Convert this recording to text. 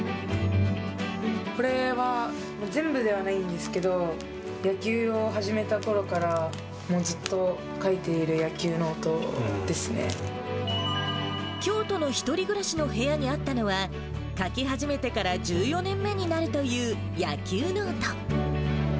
これは全部ではないんですけど、野球を始めたころから、もうずっと書いている野球ノート京都の１人暮らしの部屋にあったのは、書き始めてから１４年目になるという野球ノート。